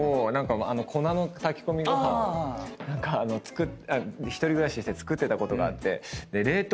粉の炊き込みご飯を１人暮らしして作ってたことがあって。